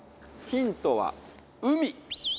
ヒントは海。